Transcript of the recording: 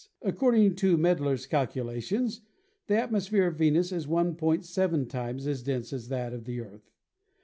According to Maedler's calculations, the atmosphere of Venus is 1.7 times as dense as that of the Earth.